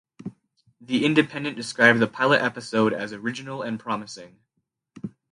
The Independent described the pilot episode as "original and promising".